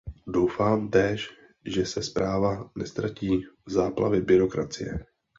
Doufám též, že se zpráva neztratí v záplavě byrokracie.